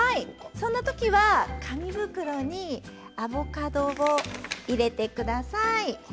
そんなときは紙袋にアボカドを入れてください。